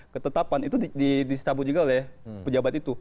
ketetapan itu disambut juga oleh pejabat itu